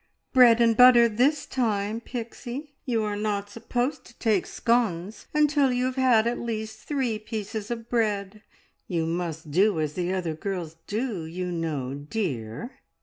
"Bread and butter this time, Pixie! You are not supposed to take scones until you have had at least three pieces of bread. You must do as the other girls do, you know, dear!"